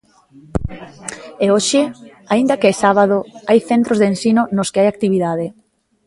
E hoxe, aínda que é sábado, hai centros de ensino nos que hai actividade.